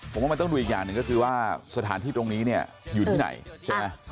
ผมว่ามันต้องดูอีกอย่างหนึ่งก็คือว่าสถานที่ตรงนี้เนี่ยอยู่ที่ไหนใช่ไหม